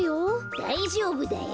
だいじょうぶだよ。